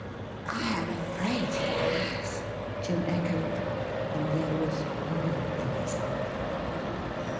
' I am afraid he has,' Jim echoed ; and there was horror in his heart.